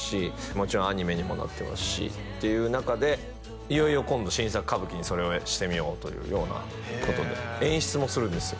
もちろんアニメにもなってますしっていう中でいよいよ今度新作歌舞伎にそれをしてみようというようなことで演出もするんですよ